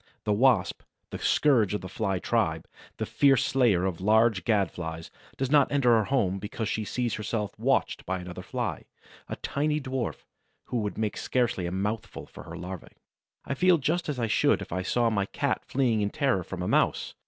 The Wasp, the scourge of the Fly tribe, the fierce slayer of large Gad flies, does not enter her home because she sees herself watched by another Fly, a tiny dwarf, who would make scarcely a mouthful for her larvæ. I feel just as I should if I saw my Cat fleeing in terror from a Mouse.